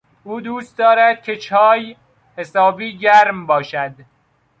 او دوست دارد که چای، حسابی گرم باشد.